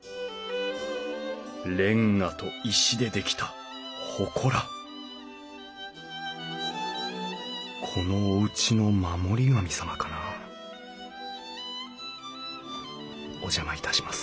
レンガと石で出来たほこらこのおうちの守り神様かなお邪魔いたします